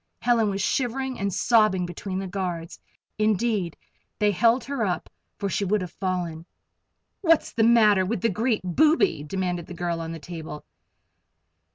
Helen was shivering and sobbing between the guards indeed they held her up, for she would have fallen. "What's the matter with the great booby?" demanded the girl on the table.